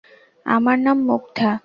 আমার নাম মুগ্ধা!